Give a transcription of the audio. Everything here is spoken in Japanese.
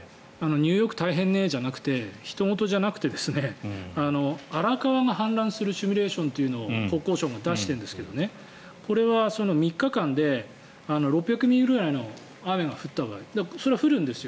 ニューヨーク大変ねじゃなくてひと事じゃなくて荒川が氾濫するシミュレーションというのを国交省が出しているんですがこれは３日間で６００ミリくらいの雨が降った場合それは降るんですよ。